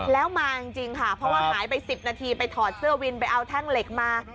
แล้วมาจริงค่ะเพราะว่าหายไป๑๐นาทีไปถอดเสื้อวินไปเอาแท่งเหล็กมา